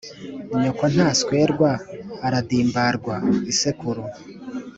nyoko ntaswerwa aradimbarwa : isekuru.